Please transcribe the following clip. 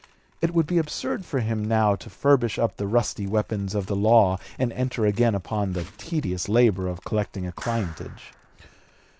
It would be absurd for him now to furbish up the rusty weapons of the law and enter again upon the tedious labor of collecting a clientage.